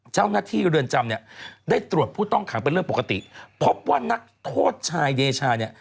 เจ้าหน้าที่เรือนจำเนี่ยได้ตรวจผู้ต้องขังเป็นเรื่องปกติพบว่านักโทษชายเดชาเนี่ย